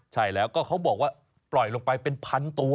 ใช่แล้วก็เขาบอกว่าปล่อยลงไปเป็นพันตัว